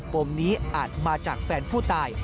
ปมนี้อาจมาจากแฟนผู้ตาย